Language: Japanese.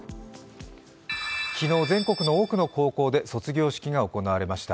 昨日、全国の多くの高校で卒業式が行われました。